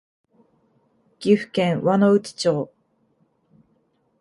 岐阜県輪之内町